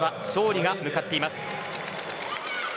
尚里が向かっています。